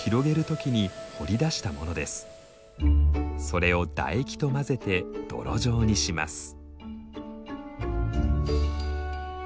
それを唾液と混ぜて泥状にします。